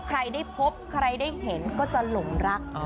ใครได้พบใครได้เห็นก็จะหลงรัก